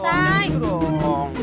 gak usah gitu dong